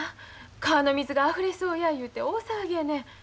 川の水があふれそうやいうて大騒ぎやねん。